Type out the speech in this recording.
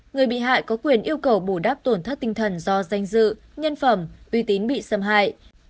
người bị hại có quyền yêu cầu bù đắp tổn thất tinh thần do danh dự nhân phẩm uy tín bị xâm hại